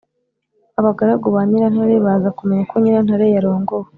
abagaragu ba nyirantare baza kumenya ko nyirantare yarongowe.